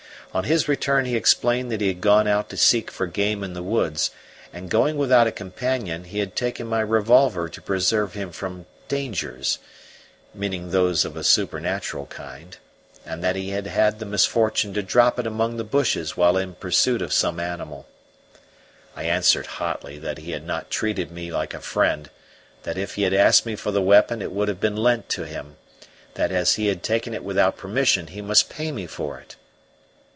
On his return he explained that he had gone out to seek for game in the woods; and, going without a companion, he had taken my revolver to preserve him from dangers meaning those of a supernatural kind; and that he had had the misfortune to drop it among the bushes while in pursuit of some animal. I answered hotly that he had not treated me like a friend; that if he had asked me for the weapon it would have been lent to him; that as he had taken it without permission he must pay me for it.